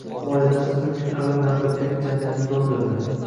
Volidamiz bir kun avval navbatdagi janjalni doʻndirdi.